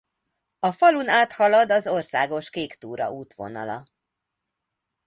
A falun áthalad az Országos Kéktúra útvonala.